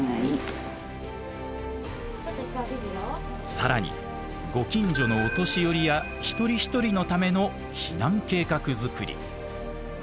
更にご近所のお年寄りや１人１人のための避難計画づくり。